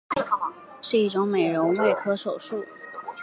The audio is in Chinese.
是一种美容外科手术。